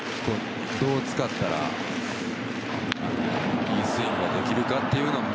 どう使ったらいいスイングができるかというのを